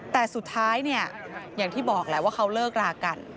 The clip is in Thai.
แต่สุดท้ายเนี่ยอย่างที่บอกแหละว่าเขาเลิกรากัน